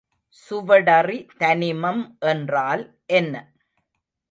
சுவடறி தனிமம் என்றால் என்ன?